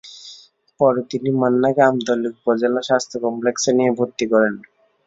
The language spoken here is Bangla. পরে তিনি মান্নাকে আমতলী উপজেলা স্বাস্থ্য কমপ্লেক্সে নিয়ে গিয়ে ভর্তি করেন।